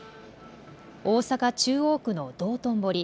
大阪中央区の道頓堀。